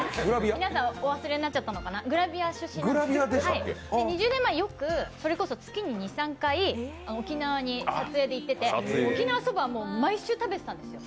皆さんお忘れになっちゃったのかな、グラビア出身で２０年前、よく、それこそ月に２３回、沖縄に撮影に行ってて沖縄そばは毎週食べてたんですよ。